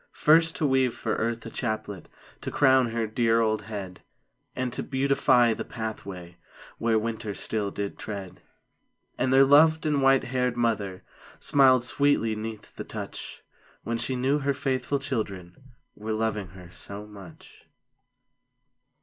First to weave for Earth a chaplet To crown her dear old head; And to beautify the pathway Where winter still did tread. And their loved and white haired mother Smiled sweetly 'neath the touch, When she knew her faithful children Were loving her so much.